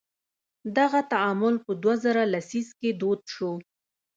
دغه تعامل په دوه زره لسیزه کې دود شو.